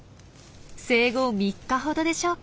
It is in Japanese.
生後３日ほどでしょうか。